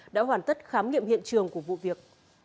đã hoàn tất khám nghiệm hiện trường của vụ việc